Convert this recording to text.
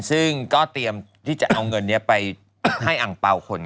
ซึ่งก็เตรียมที่จะเอาเงินนี้ไปให้อังเปล่าคน